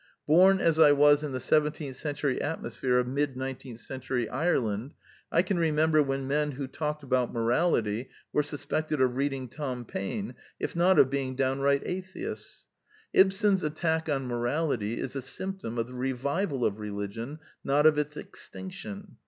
Born as I was in the seventeenth century atmosphere of mid nineteenth century Ireland, I can remember when men who talked about morality were suspected of reading Tom Paine, if not of being downright atheists. Ibsen's attack on morality is a symptom of the revival of religion, not of its extinction.